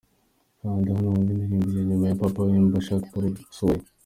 Kanda hano wumve indirimbo ya nyuma ya Papa Wemba shake puru suwaye.